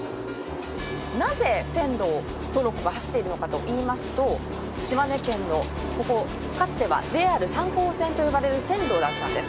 なぜ線路をトロッコが走っているのかといいますと島根県のここかつてはＪＲ三江線と呼ばれる線路だったんです。